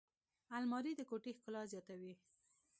الماري د کوټې ښکلا زیاتوي